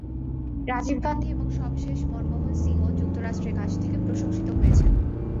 রাজীব গান্ধী এবং সবশেষ মনমোহন সিংও যুক্তরাষ্ট্রের কাছ থেকে প্রশংসিত হয়েছেন।